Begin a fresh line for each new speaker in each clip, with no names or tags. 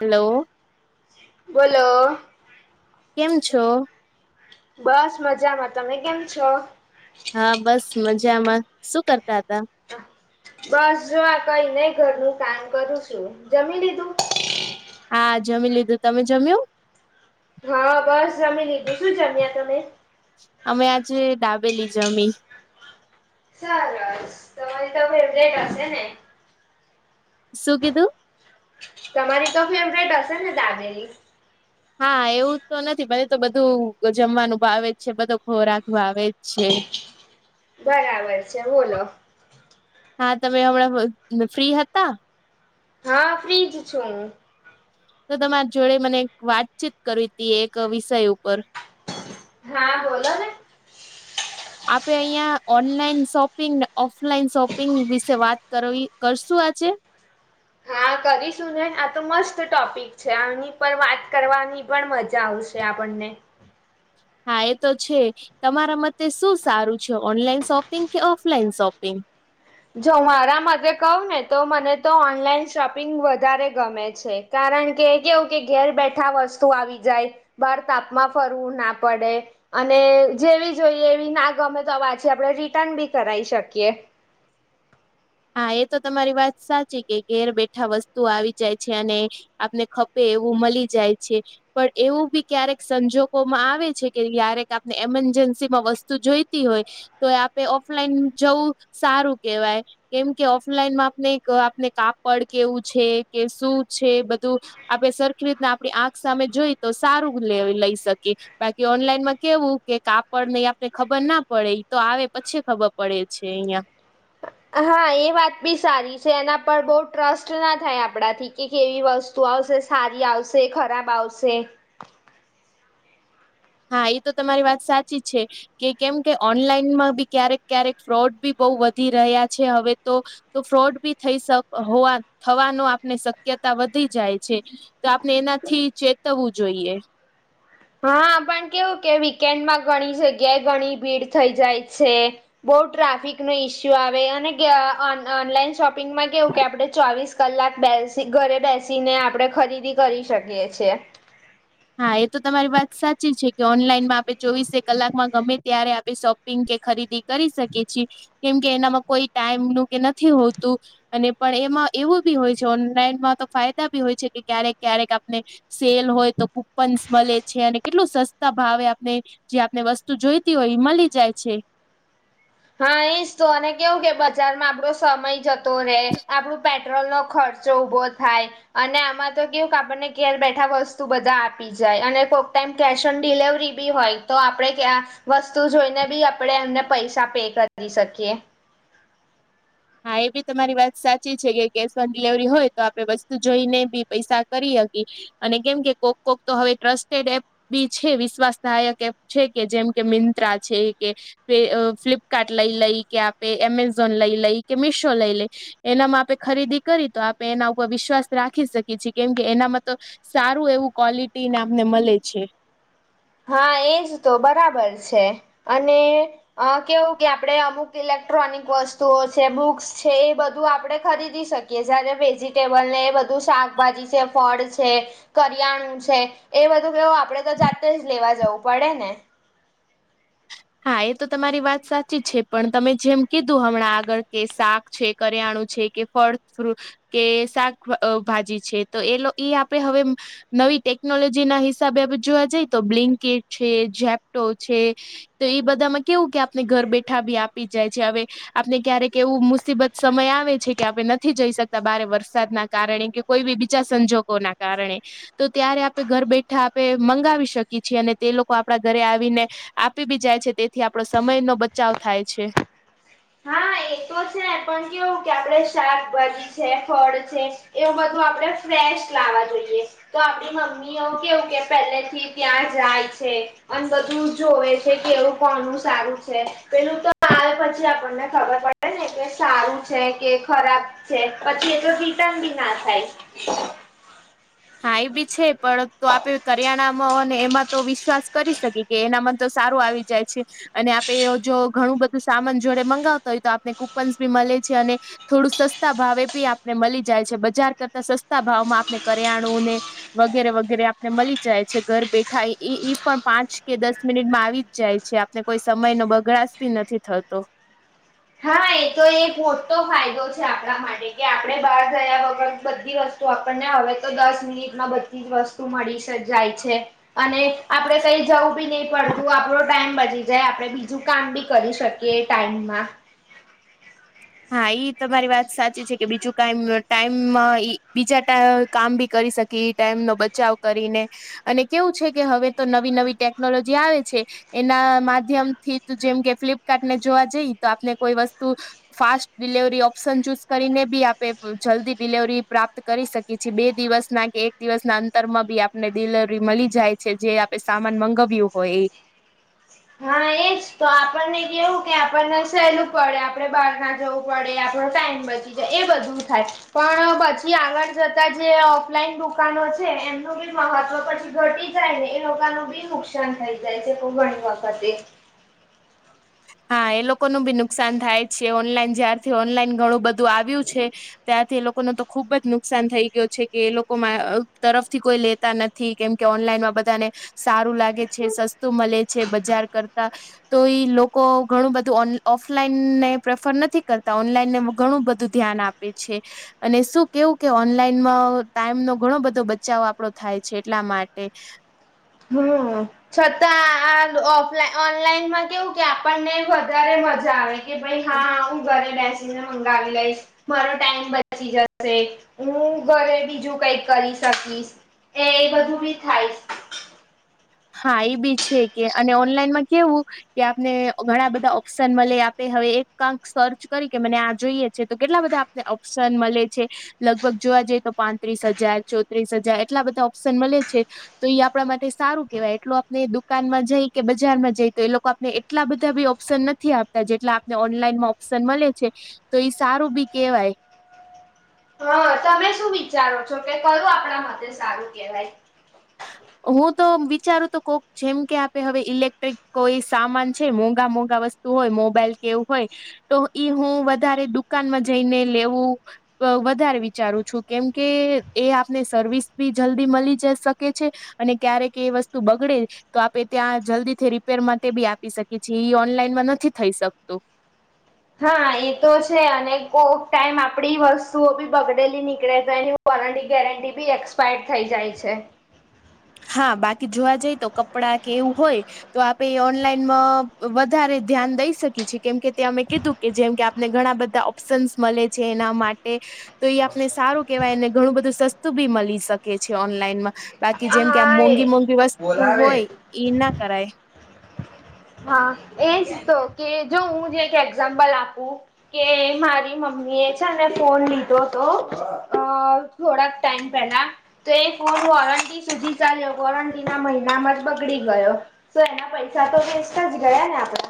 Hello.
બોલો.
કેમ છો?
બસ મજામાં, તમે કેમ છો?
હા, બસ મજામાં શું કરતા હતાં?
બસ જો આ કઈ નઈ ઘરનું કામ કરું શું, જમી લીધું?
હા જમી લીધું, તમે જમ્યું?
હ બસ જમી લીધું, શું જમ્યા તમે?
અમે આજે ડાબેલી જમી.
સરસ તમારી તો એવજ કર હશે ને.
શું કીધું?
તમારી તો ફેવરિટ હશે ને દાબેલી?
હા એવું તો નથી મને તો બધું જમવાનું ભાવે જ છે બધો ખોરાક ભાવેે જ છે.
બરાબર છે, બોલો.
હા તમે હમણાં ફ્રી હતા.
હા ફ્રીજ છું હું.
તો તમારા જોડે મને વાતચીત કરવી હતી એક વિષય ઉપર
હા બોલો ને
આપે અહિયાં ઓનલાઈન શોપિંગને ઓફલાઈન શોપિંગ વિશે વાત કર કરશું આજે
હા કરીશું ને આ તો મસ્ત ટોપિક છે આની પર વાત કરવાની. પણ મજા આવશે આપણને
હા એ તો છે. તમારા મતે શું સારું છે ઓનલાઈન શોપિંગ કે ઓફલાઈન શોપિંગ.
જો મારા મ કહું ને તો મને તો ઓનલાઈન શોપિંગ વધારે ગમે છે. કારણ કે કેવું કે ઘેર બેઠા વસ્તુ આવી જાય. બહાર તાપમાં ફરવું ના પડે. અને જેવી જોઈએ એવી ના ગમે તો વાછી આપણે રિટર્ન બી કરાવી શકીએ. [inaudible]
હા એ તો તમારી વાત સાચી કે ઘેર બેઠા વસ્તુ આવી જાય છે અને આપને ખપે એવું મળી જાય છે. પણ એવું બી ક્યારેક સંજોગોમાં આવે છે કે ય્યારેક આપને એમરજન્સીમાં વસ્તુ જોઈતી હોય. તો આપે ઓફલાઈન જવું સારું કેહેવાય. કેમ કે ઓફલાઈનમાં આપણે આપને કાપડ કેવું છે કે શું છે બધું આપણે સરખી રીતના આપણી આંખ સામે જોઈ તો સારું લઈ શકીએ. બાકી ઓનલાઈન માં કેવું કે કાપડ નઈ આપને ખબર ના પડે તો આવે પછી ખબર પડે છે અહિયાં.
હા એ વાત બી સારી છે એના પર બહ ટ્રસ્ટ ના થાય આપણાથી કે કેવી વસ્તુ. વસ્તુ આવશે સારી આવશે ખરાબ આવશે.
હા એ તો તમારી વાત સાચી છે. કે કેમ કે ઓનલાઈનમાં બી ક્યારેક ક્યારેક ફ્રોડ બી બહુ વધી રહ્યા છે હવે તો. તો ફ્રોડ બી થઈ થવાનો આપને શક્યતા વધી જાય છે. તો આપણે એનાથી ચેતવવું જોઈએ.
હા પણ કેવું કે વીકેન્ડમાં ઘણી જગ્યાએ ઘણી ભીડ થઇ જાય છે. બઉુ ટ્રાફિક નો ઈસ્યુ આવે અને ઓનલાઈન શોપિંગમાં કેવું કે આપડે ચોવીસ કલાક બેસી ઘરે બેસીને આપડે ખરીદી કરી શકીએ છીએ.
હા એ તો તમારી વાત સાચી છે કે ઓનલાઈનમાં આપણે ચોવીસે કલાકમાં ગમે ત્યારે આપે શોપિંગ કે ખરીદી કરી શકે છેી કેમ કે એનામાં કોઈ ટાઈમ નું કે નથી હોતું. અને પણ એમાં એવું બી હોય છે ઓનલાઈનમાં તો ફાયદા બી હોય છે કે ક્યારેક ક્યારેક આપને સેલ હોય તો કુપન મળે છે અને કેટલું સસ્તા ભાવે આપને. જે આપને વસ્તુ જોઈતી હોય એ મળી જાય છે.
હા એજ તો અને કેવું કે બજારમાં આપડો સમય જતો રે આપડું પ પેટ્રોલ નો ખર્ચો ઉભો થાય અને આમાં તો કેવું કે આપણને કર બેઠા વસ્તુ બધા આપી. જાય અને કોઈક ટાઈમ કેશ ઓન ડિલેવરી બી હોય તો આપણે કયા. વસ્તુ જોઈને બી આપણેે એમને પૈસા પે કરી શકીએ.
હા એ બી તમારી વાત સાચી છે કે કેશ ઓન ડિલવરી હોય તો આપડે વસ્તુ જોઈને બી પૈસા કરી શકી. અને કેમ કે કોક કોક તો હવે ટ્રસ્ટેડ એપ બી છે વિશ્વાસદાયક. એ છે કે, જેમ કે મિંત્ર છે કે ફ્લિપકાર્ટ લઈ લઈ કે આપે, એમેઝોન લઈ લઈ કે મીશો લઈ લઈ. એનામાં આપે ખરીદી કરી, તો આપે એના ઉપર વિશ્વાસ રાખી શકીએ છીએ, કેમ કે એનામાં તો સારું એવું ક્વોલિટીને અમને મળે છે.
હા એજ તો બરાબર છે અને અ કેવું કે આપડણે અમુક ઇલેક્ટ્રોનિક વસ્તુઓ છે બુક્સ છે એ બધું આપડણે ખરીદી શકીએ. કે જ્યારે વેજીિટેબલને એ બધું શાકભાજી છે ફળ છે કરિયાણું છે એ બધું કેવું આપડે તો જાતે જ લેવા જવું પડે ને.
હા એ તો તમારી વાત સાચી છે પણ તમે જેમ કીધું હમણાં આગળ કે શાક છે. કર્યાણું છે કે ફળ ફ્રૂટ કે શાકભાજી છે, તો એ એ આપણે હવે નવી ટેકનોલોજી ના હિસાબે, આપણે જોવા જઈએ તો બ્લિન્કેટ, છે જેપ્ટો છે. તો ઈ બધામાં કેવું કે આપને ઘર બેઠા બી આપી જ જાય છે હવે. આપણે ક્યારેક એવું મુસીબત સમય આવે છે કે આપણે નથી જઈ શકતા, બારે વરસાદ ના કારણે કે કોઈ બી બીજા સંજોગો ના કારણે તો ત્યારે આપે ઘર બેઠા આપે મંગાવી શકીએ છીએ, અને તે લોકો આપણા ઘરે આવીને આપી બી જાય છે, તેથી આપડો સમય નો બચાવ થાય છે.
હા, એ તો છે. પણ કેવું કે આપડે શાકભાજી ફળ છે, એવું બધું આપણે ફ્રેશ લાવવા જોઈએ‌. તો આપડી મમ્મી એવું કેવું કે, પહેલેથી ત્યાં જાય છે. અને બધું જોવે છે કે, એવું કોનું સારું છે, પેલું તો આવે પછી, આપણને ખબર પડે ને કે સારું છે કે ખરાબ છે, પછી એ તો રિટર્ન બી ના થાય.
હા, એ બી છે, પણ તો આપે કરિયાણામાં ને એમાં તો વિશ્વાસ કરી શકીએ. એ એના મા તો સારું આવી જાય છે. અને આપે જો ઘણું બધું સામાન જોડે મંગાવતા હોય, તો આપને કુપનસ ભી મલે છે અને થોડું સસ્તા ભાવે બી આપને મલી જાય છે, બજાર કરતા સસ્તા ભાવમાં આપણે કરિયાણુંને વગેરે વગેરે આપને મલી જાય છે, ઘર બેઠા. એ એ પણ પાંચ કે દસ મિનિટમાં આવી જાય છે, આપને કોઈ સમય નો બગડાસ બી નથી થતો.
હા, એ. તો એ મોટો ફાયદો છે આપણા માટે કે, આપડે બહાર ગયા વગર બધી વસ્તુ તો આપણને હવે તો દસ મિનિટમાં બધી જ વસ્તુ મળી જાય છે અને આપડે કઈ જવું બી નહીં પડતું, આપડો ટાઈમ બચી જે આપણે બીજું કામ બી કરી શકીએ ટાઈમમાં.
હા, ઈ તમારી વાત સાચી છે કે, બીજું ક ટાઈમ, બીજા કામ બી કરી શકી ઈ, ટાઈમ નો બચાવ કરીને. અને કેવું છે કે, હવે તો નવી નવી ટેકનોલોજી આવે છે. એના માધ્યમ થી, જેમ કે ફ્લિપકાર્ટ ને જોવા જઈએ તો, આપને કોઈ વસ્તુ ફાસ્ટ ડિલેવરી ઓપ્શન ચૂઝ કરીને બી આપણે જલ્દી ડિલવરી પ્રાપ્ત કરી શકીએ. પછી બે દિવસ ના કે એક દિવસ ના અંતરમાં બી આપને ડિલીવરી મળી જાય છે, જે સામાન મંગાવ્યું હોય એ.
હા, એજ. તો આપણને કેવું કે, આપણને સહેલું પડે, આપડે બહાર ના જવું પ, ડે આપણો ટાઈમ બચે. એ બધું થાય, પણ પછી આગળ જતા જે ઓફલાઈન દુકાનો છે એમ બહાર નું મહત્વ પછી ઘટી જાય ને, એ લોકોનું બી નુકસાન થઈ જાય છે ઘણી વખતે.
હા, એ લોકો નું બી નુકસાન થાય છે. ઓનલાઈન જ્યારથી ઓનલાઈન ઘણું બધું આવ્યું છે ત્યાંથી એ લોકો નું તો ખુબ જ નુકસાન થઈ ગયો છે કે, એ લોકો તરફથી કોઈ લેતા નથી. થી કેમ કે ઓનલાઈનમાં બધાને સારું લાગે છે, સસ્તું મલે છે બજાર કરતા. તો ઈ લોકો લોકો ઘણું બધું ઓફલાઈન ને પ્રેફર નથી કરતા, ઓનલાઈનને ઘણું બધું ધ્યાન આપે છે. અને શું કેવું કે, ઓનલાઈનમાં ટાઈમનો ઘણો બધો બચાવ આપણો થાય છે, એટલા માટે.
હમ. છતાં આફ ઓનલાઈનમાં કેવું કે આપણને વધારે મજા આવે. કે ભાઈ, હા, હું ઘરે બેસી ને મંગાવી લઈશ. મારો ટાઈમ બચી જશે, હું ઘરે બીજું કઈ કરી શકીશ. એ એ બધું બી થાય.
હા એ બી છે કે અને ઓનલાઈનમાં કેવું. કે આપને ઘણા બધા ઓપ્શન મળે આપે હવે એકાંક સર્ચ કરી કે મને આ જોઈએ છે તો કેટલા બધા. ઓપ્શન મળે છે. લગભગ જોવા જઈએ તો પાંત્રીસ હજાર ચોત્રીસ હજાર એટલા બધા ઓપ્શન મળે છે. તો આપણા માટે સારું. કેવાય એટલો આપને દુકાન માં જઈ કે બજારમાં જઈ તો એ લોકો આપને એટલા બધા બી ઓપ્શન નથી આપે. જેટલા આપને ઓનલાઈનમાં ઓપ્શન મળે છે તો ઈ સારું બી કેવાય.
હા તમે શું. વિચારો છો કે કરું આપણા માટેથે સારું કહેવાય.
હા. હું તો વિચારું તો કોક જેમ કે આપે હવે ઈલેક્ટ્રિક કોઈ સામાન છે મોંઘા મોંઘા વસ્તુ. હોય મોબાઈલ કેવું હોય તો ઈ હું વધારે દુકાનમાં જઈને લેવું. વધારે વિચારું છું કેમ કે એ આપને સર્વિસ બી જલ્દી મળી જ શકે. છે અને ક્યારેક એ વસ્તુ બગડે. તો આપણે ત્યાં જલ્દીથી રિપેર માટે બી આપી શકીએીએ એ ઓનલાઈનમાં નથી થઈ શકતું.
હા એ તો છે અને કોક ટાઈમ આપડી વસ્તુઓ બી બગડેલી નીકળે છે એની. વોરંટી ગેરંટી બી એક્સપાયર્ડ થઈ જાય છે.
હા બાકી જોવા જઈ તો કપડા કે એવું હોય. તો આપે એ ઓનલાઈનમાં વધારે ધ્યાન દઈ શકીએ છીએ કેમ કે તે અમે કીધું. કે જેમ કે આપને ઘણા બધા ઓપ્શન્સ મળે છે એના માટે. તો એ આપને સારું કેવાયને ઘણું બધું સસ્તું બી મળી શકે છે ઓનલાઈનમાં બાકી. કે જેમ કે આમ
હા
મોંઘી
એ
મોંઘી વસ્તુ હોય
બોલાવે
એ ના કરાય.
હા એજ તો કે જો હું જે એક્ઝામ્પલ આપું. કે મારી મમ્મી એ છે ને ફોન લીધો હતો અ. થોડાક ટાઈમ પેલા. તો એ ફોન વોરંટી સુધી ચાલ્યો વોરંટીના મહિનામાં જ બગડી ગયો. તો એના પૈસા તો વેસ્ટતા જ ગયા ને આપણે.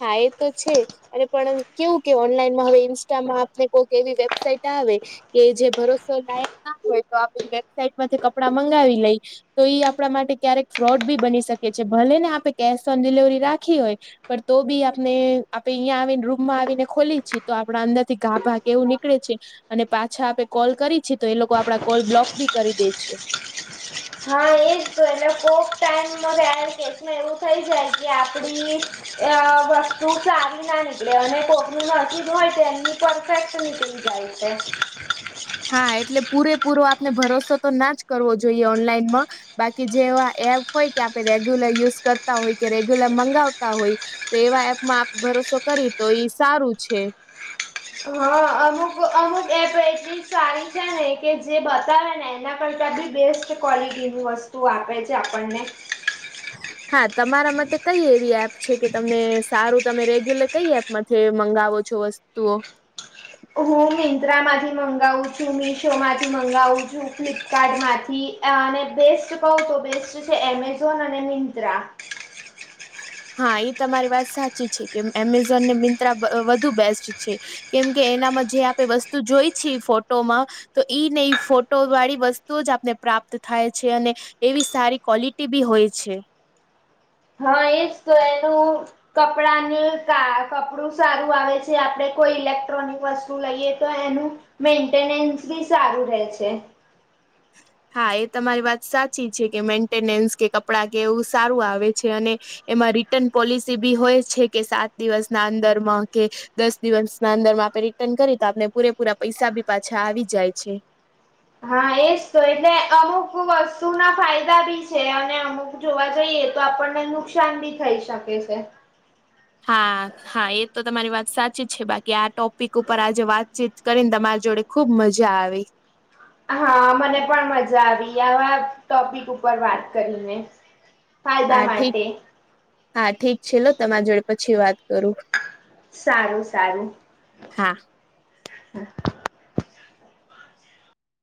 હા એ તો છે. અને પણ કેવું કે ઓનલાઈનમાં હવે ઇન્સ્ટામાં આપને કોઈક એવી વેબસાઈટ આવે. કે જે ભરોસો લાયક ના હોય તો આપે વેબસાાઈટ માંથી કપડા મંગાવી લઈ. તો ઈ આપણા માટે ક્યારેક ફ્રોડ બી બની શકે છે ભલે ને આપે કેશ ઓન ડિલિવરી રાખી હોય. પણ તો બી આપને આપડે અહીંયા આવીને રૂમમાં આવીને ખોલી છીએ તો આપણા અંદર થી ગાભા કે એવું નીકળે છે. અને પાછા આપે કોલ કરી છી તો એ લોકો આપડા કોલ બ્લોક બી કરી દે છે.
હા એજ. કોક ટાઈમમાં ગ કેસમાં એવું થઈ જાય કે આપડી. અ વસ્તુ સારી ના નીકળે અને કોકનું નરકદ હોય તો એમની પરફેક્ટ નીકળી જાય. હે.
હા એટલે પૂરેપૂરો આપને ભરોસો તો ના જ કરવો જોઈએ ઓનલાઈનમાં. બાકી જે એવા એપ હોય કે આપણે રેગ્યુલર યુઝ કરતા હોય કે રેગ્યુલર મંગાવતા હોય. તો એવા એપમાં આપણે ભરોસો કરી તો ઈ સારું છે.
હા અમુક અમુક એપ એટલી સારી છે. કે જે બતાવે ને એના કરતા બી બેસ્ટ ક્વલિટી ન વસ્તુ આપે છે આપણને.
હા તમારા મતે કઈ એવી એપ છે કે તમને સારું તમે રેગ્યુલર કઈ એપ. મથે મંગાવો છો વસ્તુઓ.
હું મિંત્રા માંથી મંગાવું છું મિશોમાંથી મંગાવું છું ફ્લિપકાર્ટ માંથી અને બેસ્ટ કહું તો બેસ્ટ છે એમેઝોન અને મિંત્રા
હા એ તમારી વાત સાચી છે કે એમેઝોન ને મિંત્રા વધુ બેસ્ટ છે. કેમ કે એનામાં જે આપણે વસ્તુ જોઈ છીએ ફોટોમાં. તો ઈ ન એ ફોટો વાળી વસ્તુ જ આપને પ્રાપ્ત થાય છે અને એવી સારી ક્વલિટી બી હોય છે.
હા એજ તો એનું કપડાનું કપડું સારું આવે છે આપડે કોઈ ઇલેક્ટ્રોનિક વસ્તુ લઈએ તો એનું મેન્ટેનન્સ બી સારું રહેે છે.
હા એ તમારી વાત સાચી છે કે મેન્ટેનન્સ કે કપડાં કે એવું સારું આવે છે અને એમાં રિટર્ન પોલિસી બી હોય છે કે સાત દિવસના અંદરમાં કે દસ દિવસ ના અંદરમાં આપણે રિટર્ન કરી તો આપને પૂરેપૂરા પૈસા બી પાછા આવી જાય છે.
હા એજ તો એટલે અમુક વસ્તુ ના ફાયદા ભી છે અને અમુક જોવા જઈએ તો આપણને નુકસાન ભી થઈ શકે છે.
હા હા એ તો તમારી વાત સાચી જ છે બાકી આ ટોપિક ઉપર આજે વાતચીત કરીને તમારી જોડે ખુબ મજા આવી.
હા મને પણ મજા આવી આવા ટોપિક ઉપર વાત કરીને. ફાયદા
હા ઠીક
માટે
હા ઠીક છે લો તમારા જોડે પછી વાત કરું.
સારું સારું.
હા.